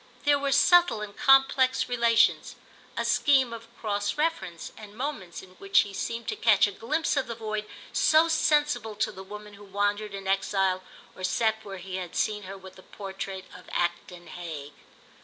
There were subtle and complex relations, a scheme of cross reference, and moments in which he seemed to catch a glimpse of the void so sensible to the woman who wandered in exile or sat where he had seen her with the portrait of Acton Hague.